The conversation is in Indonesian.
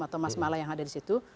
atau mas mala yang ada di situ